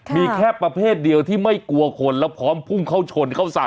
มีแค่ประเภทเดียวที่ไม่กลัวคนแล้วพร้อมพุ่งเข้าชนเข้าใส่